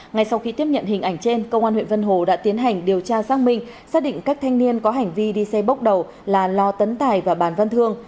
ngay sau khi tiếp nhận hình ảnh trên công an huyện vân hồ đã tiến hành điều tra xác minh xác định các thanh niên có hành vi đi xe bốc đầu là lò tấn tài và bàn văn thương